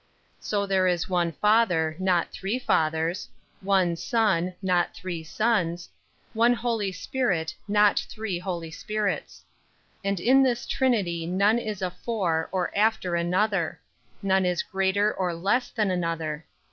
24. So there is one Father, not three Fathers; one Son, not three Sons; one Holy Spirit, not three Holy Spirits. 25. And in this Trinity none is afore or after another; none is greater or less than another.